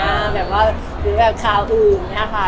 แบบว่าหรือแบบข่าวอื่นอย่างนี้ค่ะ